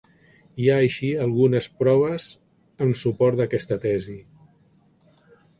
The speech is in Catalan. Hi ha així algunes proves en suport d'aquesta tesi.